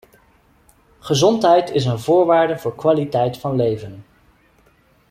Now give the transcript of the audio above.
Gezondheid is een voorwaarde voor kwaliteit van leven.